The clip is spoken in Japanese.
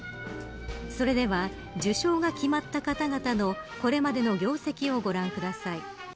それでは受賞が決まった方々のこれまでの業績をご覧ください。